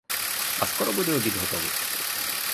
А скоро буде обід готовий?